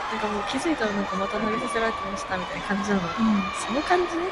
남들은 날더러 팔자 좋은 사람이라 하겠지.